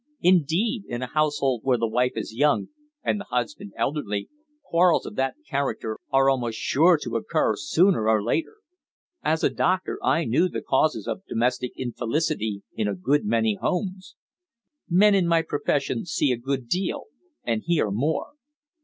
Indeed, in a household where the wife is young and the husband elderly, quarrels of that character are almost sure to occur sooner or later. As a doctor I knew the causes of domestic infelicity in a good many homes. Men in my profession see a good deal, and hear more.